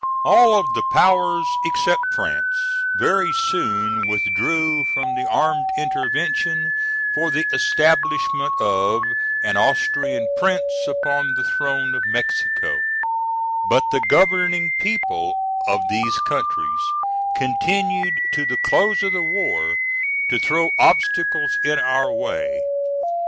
All of the powers except France very soon withdrew from the armed intervention for the establishment of an Austrian prince upon the throne of Mexico; but the governing people of these countries continued to the close of the war to throw obstacles in our way.